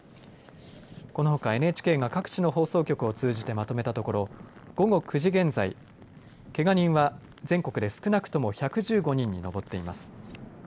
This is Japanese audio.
このほかＮＨＫが各地の放送局を通じてまとめたところ午後９時現在けが人は、全国で少なくとも１１５人に上っています。